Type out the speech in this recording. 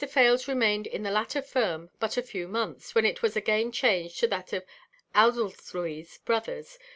Fales remained in the latter firm but a few months, when it was again changed to that of Oudesluys Bros.